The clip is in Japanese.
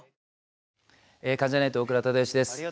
関ジャニ∞大倉忠義です。